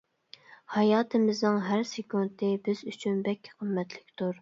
ھاياتىمىزنىڭ ھەر سېكۇنتى بىز ئۈچۈن بەك قىممەتلىكتۇر.